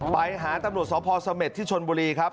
ไปหาตำรวจสพสเม็ดที่ชนบุรีครับ